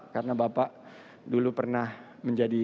karena bapak dulu pernah menjadi